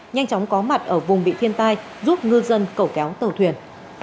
nhanh chóng có mặt ở vùng bị thiên tai giúp ngư dân cẩu kéo tàu thuyền